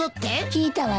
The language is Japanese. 聞いたわよ。